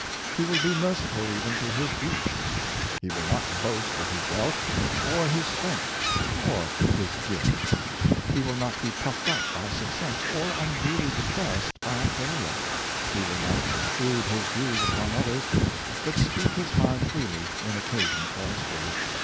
He will be merciful even to his beast. He will not boast of his wealth, or his strength, or his gifts. He will not be puffed up by success, or unduly depressed by failure. He will not obtrude his views upon others, but speak his mind freely when occasion calls for it.